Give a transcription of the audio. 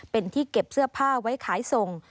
เป็นที่เก็บเสื้อผ้าไว้ขายส่ง